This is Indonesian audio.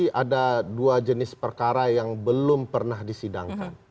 di mahkamah konstitusi ada dua jenis perkara yang belum pernah disidangkan